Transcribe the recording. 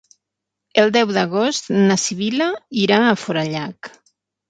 El deu d'agost na Sibil·la irà a Forallac.